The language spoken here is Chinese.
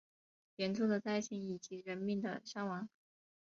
严重的灾情以及人命的伤亡